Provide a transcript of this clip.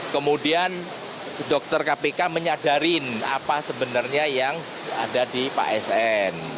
kemudian dokter kpk menyadarin apa sebenarnya yang ada di pak sn